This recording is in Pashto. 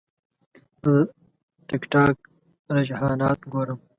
زه د ټک ټاک رجحانات ګورم.